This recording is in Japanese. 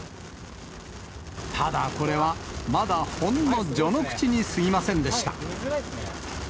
ただこれは、まだほんの序の口にすぎませんでした。